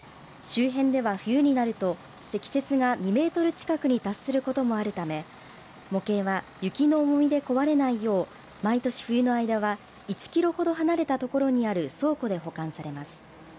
周辺では、冬になると積雪が２メートル近くに達することもあるため模型は雪の重みで壊れないよう毎年、冬の間は１キロほど離れた所にある倉庫で保管されます。